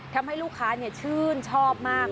ทำให้ลูกค้าชื่นชอบมาก